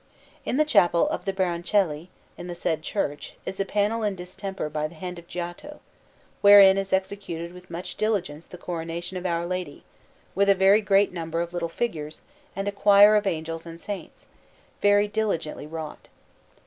In the Chapel of the Baroncelli, in the said church, is a panel in distemper by the hand of Giotto, wherein is executed with much diligence the Coronation of Our Lady, with a very great number of little figures and a choir of angels and saints, very diligently wrought.